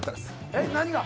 えっ何が？